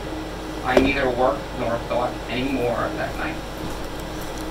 I neither worked nor thought any more that night.